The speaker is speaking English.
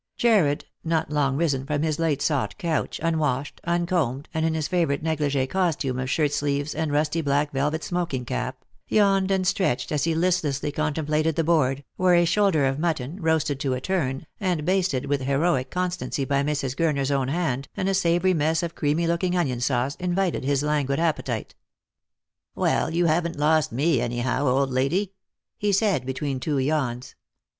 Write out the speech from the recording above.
Jarred, not long risen from his late sought couch, unwashed, uncombed, and in his favourite neglige costume of shirt sleeves and rusty black velvet smoking cap, yawned and stretched as he listlessly contemplated the board, where a shoulder of mutton, roasted to a turn, and basted with heroic constancy by Mrs. Gurner's own hand, and a savoury mess of creamy looking onion sauce, invited his languid appetite. " Well, you haven't lost me, anyhow, old lady," he said, between two yawns.